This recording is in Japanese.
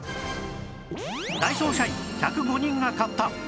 ダイソー社員１０５人が買った